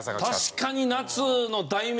確かに夏の代名詞。